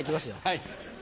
はい。